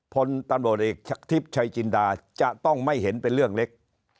พลตำรวจเอกทิพย์ชัยจินดาจะต้องไม่เห็นเป็นเรื่องเล็ก